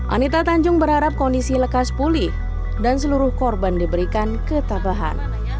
anita tanjung berharap kondisi lekas pulih dan seluruh korban diberikan ketabahan